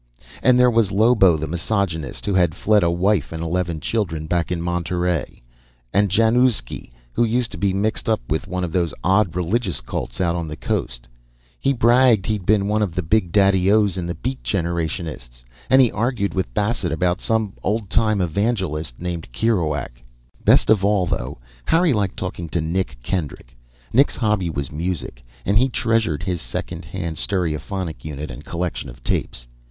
And there was Lobo, the misogynist, who had fled a wife and eleven children back in Monterey; and Januzki, who used to be mixed up with one of those odd religious cults out on the Coast. He bragged he'd been one of the Big Daddy Os in the Beat Generationists, and he argued with Bassett about some old time evangelist named Kerouac. Best of all, though, Harry liked talking to Nick Kendrick. Nick's hobby was music, and he treasured his second hand stereophonic unit and collection of tapes.